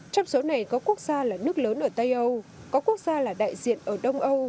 trong số này có quốc gia là nước lớn ở tây âu có quốc gia là đại diện ở đông âu